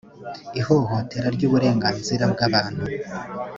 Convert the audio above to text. ihohotera ry’uburenganzira bw’abantu